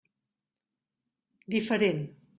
Diferent.